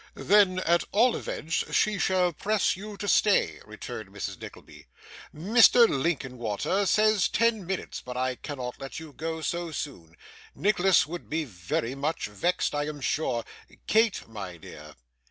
'Then at all events she shall press you to stay,' returned Mrs. Nickleby. 'Mr. Linkinwater says ten minutes, but I cannot let you go so soon; Nicholas would be very much vexed, I am sure. Kate, my dear!